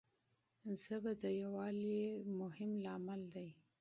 ژبه د یووالي مهم لامل دی.